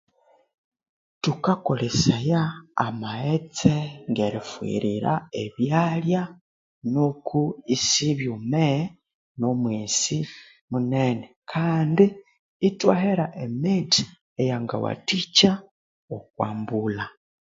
Thukakolesaya amaghetse ngerifughirira ebyalya nuko isibyume no mwesi munene kandi ithwahera emithi eyangawathikya okwa mbulha.